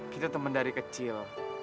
kita temen dari kecil